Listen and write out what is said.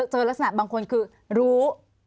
เจอลักษณะบางคนคือรู้